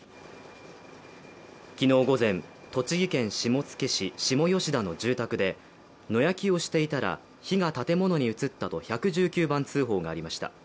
昨日午前、栃木県下野市下吉田の住宅で、野焼きをしていたら火が建物に移ったと１１９番通報がありました。